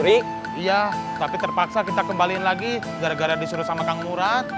iya tapi terpaksa kita kembaliin lagi gara gara disuruh sama kang murad